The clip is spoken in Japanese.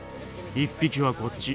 １匹はこっち。